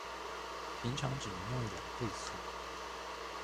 平常只能用兩倍速